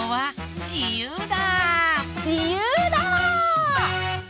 じゆうだ！